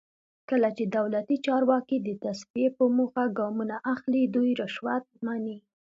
کله چې دولتي چارواکي د تصفیې په موخه ګامونه اخلي دوی رشوت مني.